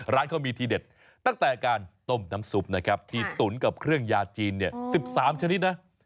ร้านเขามีทีเด็ดตั้งแต่การต้มน้ำซุปนะครับที่ตุ๋นกับเครื่องยาจีนเนี่ย๑๓ชนิดนะ